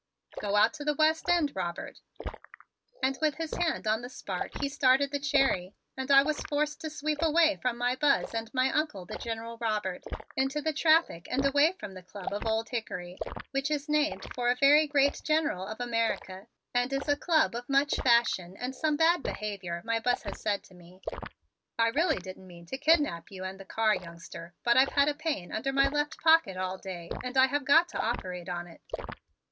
Go out to the West End, Robert." And with his hand on the spark he started the Cherry, and I was forced to sweep away from my Buzz and my Uncle, the General Robert, into the traffic and away from the Club of Old Hickory, which is named for a very great general of America and is a club of much fashion and some bad behavior, my Buzz has said to me. "I really didn't mean to kidnap you and the car, youngster, but I've had a pain under my left pocket all day, and I have got to operate on it.